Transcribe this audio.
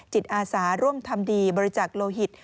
จิตอาสาร่วมทำดีบริจักษ์โลหิต